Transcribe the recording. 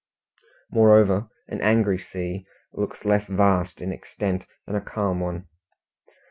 Moreover, an angry sea looks less vast in extent than a calm one.